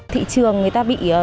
thị trường người ta bị